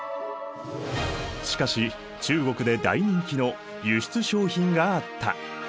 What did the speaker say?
しかし中国で大人気の輸出商品があった。